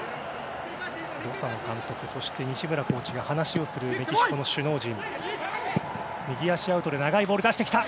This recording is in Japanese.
ロサノ監督そして西村コーチが話をするメキシコの首脳陣。